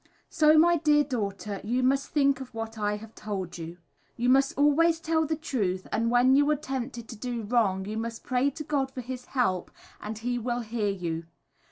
So my dear Daughter you must think of what i have told you. you must always tell the truth & when you are tempted to do wrong you must pray to God for his help and he will hear you.